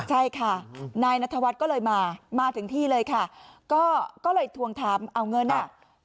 ใช่ค่ะนายนัทวัฒน์ก็เลยมามาถึงที่เลยค่ะก็เลยทวงถามเอาเงินอ่ะ